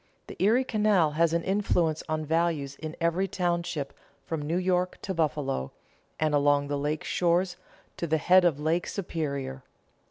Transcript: The Erie Canal has an influence on values in every township from New York to Buffalo, and along the lake shores to the head of Lake Superior.